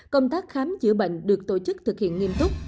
công tác khám chữa bệnh được tổ chức thực hiện nghiêm túc